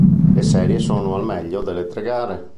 Le serie sono al meglio delle tre gare.